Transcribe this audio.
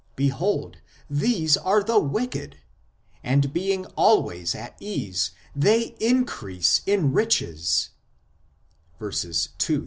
... Behold, these are the wicked, And being always at ease, they increase in riches (verses 2 12).